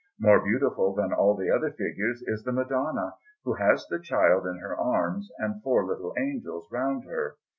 More beautiful than all the other figures is the Madonna, who has the Child in her arms and four little angels round her.